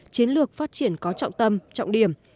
chiến lược phát triển có trọng tâm trọng điểm